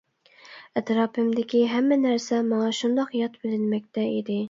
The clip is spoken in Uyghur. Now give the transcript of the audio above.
ئەتراپىمدىكى ھەممە نەرسە ماڭا شۇنداق يات بىلىنمەكتە ئىدى.